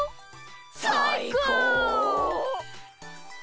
さいこう！